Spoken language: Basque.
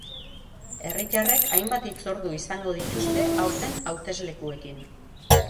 Herritarrek hainbat hitzordu izango dituzte aurten hauteslekuekin.